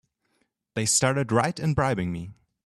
They started right in bribing me!